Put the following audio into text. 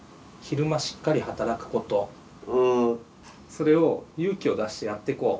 それを勇気を出してやっていこう。